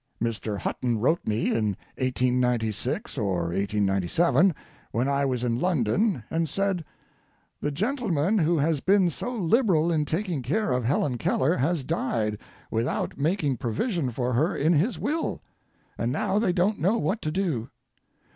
Mr. Hutton wrote me in 1896 or 1897 when I was in London and said: "The gentleman who has been so liberal in taking care of Helen Keller has died without making provision for her in his will, and now they don't know what to do."